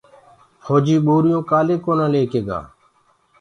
ڦوجيٚ ٻورِيونٚ ڪآلي ليڪي ڪونآ گوآ